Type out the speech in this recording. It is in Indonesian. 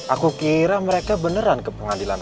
aku kira mereka beneran ke pengadilan